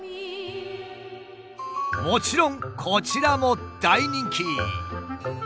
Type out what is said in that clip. もちろんこちらも大人気！